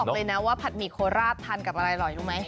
แล้วบอกเลยนะว่าผัดหมี่โคลาดทานกับอะไรอร่อยดูไหม